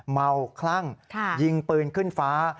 คลั่งยิงปืนขึ้นฟ้า